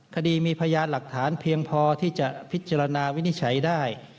คดีมีพยานหลักฐานเพียงพอที่จะพิจารณาวินิจฉัยได้